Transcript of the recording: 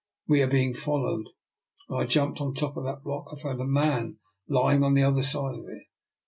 We are being fol lowed. When I jumped on the top of that rock, I found a man lying on the other side of it."